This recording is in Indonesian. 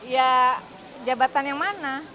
ya jabatan yang mana